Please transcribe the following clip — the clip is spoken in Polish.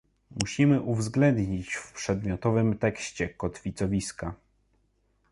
Musimy uwzględnić w przedmiotowym tekście kotwicowiska